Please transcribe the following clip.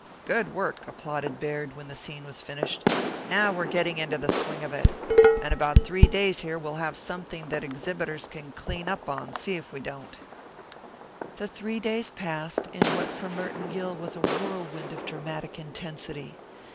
"Good work," applauded Baird when the scene was finished. "Now we're getting into the swing of it. In about three days here we'll have something that exhibitors can clean up on, see if we don't." The three days passed in what for Merton Gill was a whirlwind of dramatic intensity.